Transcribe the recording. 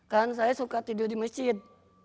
kan saya suka tidur di masjid